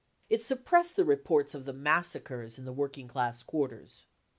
It suppressed the reports of the massacres in the working class quarters.